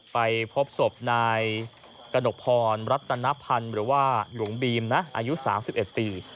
ไปพบศพนายกระหนกพรรัตนพันธ์หรือว่าหลวงบีมนะอายุ๓๑ปี